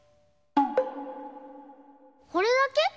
これだけ？